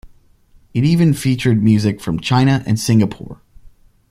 It even featured music from China and Singapore.